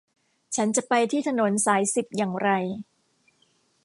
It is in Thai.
ฉันจะไปที่ถนนสายสิบอย่างไร